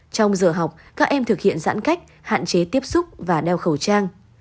trong giờ học các em thực hiện giãn cách hạn chế tiếp xúc và đeo khẩu trang